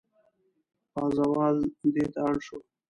پازوال دېته اړ شو.